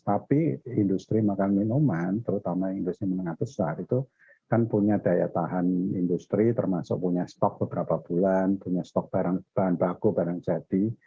tapi industri makan minuman terutama industri menengah besar itu kan punya daya tahan industri termasuk punya stok beberapa bulan punya stok bahan baku barang jadi